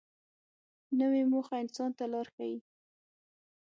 نوې موخه انسان ته لار ښیي